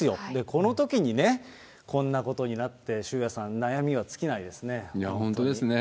このときにこんなことになって、修也さん、本当ですね。